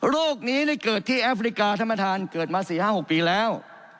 โรคนี้ได้เกิดที่แอฟริกาธรรมฐานเกิดมาสี่ห้าหกปีแล้ว